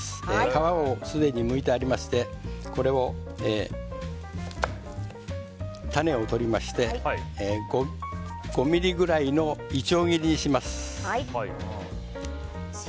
皮をすでにむいてありまして種を取りまして５ｍｍぐらいのいちょう切りにします。